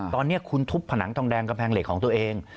ตอนนี้คุณทุบผนังทองแดงกำแพงเหล็กของตัวเอง